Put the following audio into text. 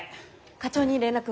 課長に連絡は？